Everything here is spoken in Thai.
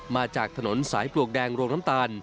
มาจากถนนสายปลวกแดงโรงน้ำตาล